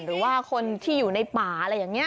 หรือว่าคนที่อยู่ในป่าอะไรอย่างนี้